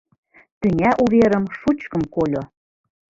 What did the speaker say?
Тӱня уверым, шучкым, кольо: